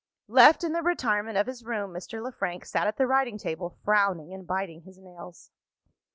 Left in the retirement of his room, Mr. Le Frank sat at the writing table, frowning and biting his nails.